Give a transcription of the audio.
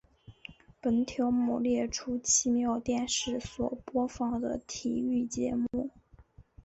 本条目列出奇妙电视所播放的体育节目。